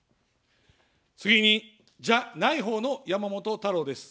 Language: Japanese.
次に、じゃないほうの山本太郎です。